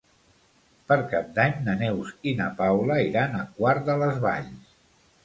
Per Cap d'Any na Neus i na Paula iran a Quart de les Valls.